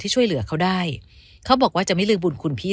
ช่วยเหลือเขาได้เขาบอกว่าจะไม่ลืมบุญคุณพี่